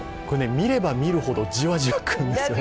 見れば見るほどじわじわくるんですよ。